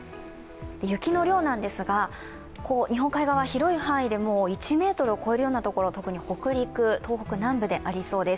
雪の量なんですが、日本海側、広い範囲で１ｍを超える所、特に北陸東北南部でありそうです。